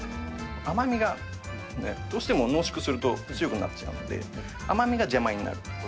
甘みがどうしても濃縮すると強くなってしまうので、甘みが邪魔になる。